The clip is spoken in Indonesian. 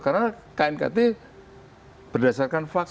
karena knkt berdasarkan fakta